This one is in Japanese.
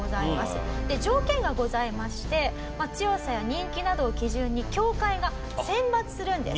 条件がございまして強さや人気などを基準に協会が選抜するんです。